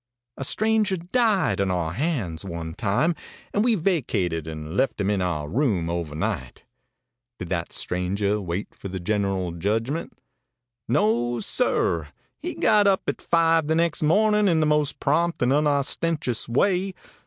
A stranger died on our hands one time, and we vacated and left him in our room overnight. Did that stranger wait for the general judgment? No, sir; he got up at five the next morning in the most prompt and unostentatious way.